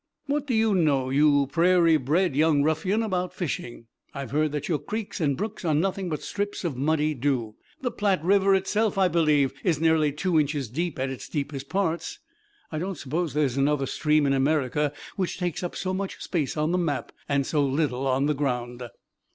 What do you know, you prairie bred young ruffian, about fishing? I've heard that your creeks and brooks are nothing but strips of muddy dew. The Platte River itself, I believe, is nearly two inches deep at its deepest parts. I don't suppose there's another stream in America which takes up so much space on the map and so little on the ground."